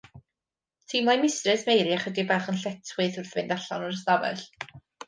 Teimlai Mistres Mary ychydig bach yn lletchwith wrth fynd allan o'r ystafell.